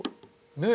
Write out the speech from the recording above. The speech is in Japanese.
ねえ。